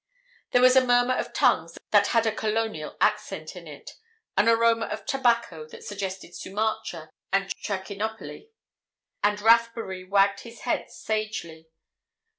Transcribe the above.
There was a murmur of tongues that had a Colonial accent in it; an aroma of tobacco that suggested Sumatra and Trichinopoly, and Rathbury wagged his head sagely.